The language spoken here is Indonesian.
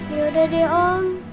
yaudah deh om